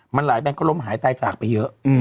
มันหลายแบงค์ก็ล้มหายตายจากไปเยอะ